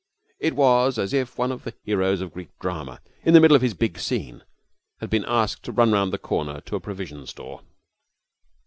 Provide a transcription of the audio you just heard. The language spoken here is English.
It was as if one of the heroes of Greek drama, in the middle of his big scene, had been asked to run round the corner to a provision store.